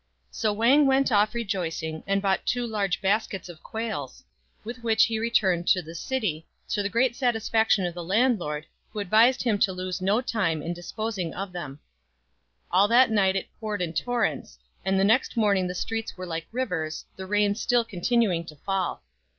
So Wang went off re joicing, and bought two large baskets of quails, with which he returned to the city, to the great satisfaction of FROM A CHINESE STUDIO. 71 the landlord who advised him to lose no time in dis posing of them. All that night it poured in torrents, and the next morning the streets were like rivers, the rain still continuing to fall.